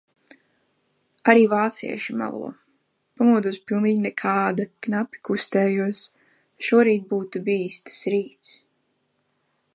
Arī vācieši melo. Pamodos pilnīgi nekāda, knapi kustējos, šorīt būtu bijis tas rīts.